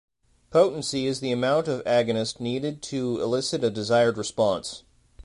Potency is the amount of agonist needed to elicit a desired response.